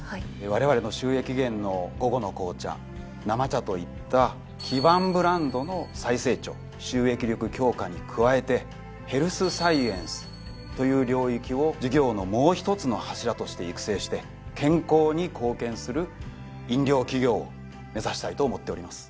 われわれの収益源の「午後の紅茶」「生茶」といった基盤ブランドの再成長収益力強化に加えてヘルスサイエンスという領域を事業のもう一つの柱として育成して健康に貢献する飲料企業を目指したいと思っております。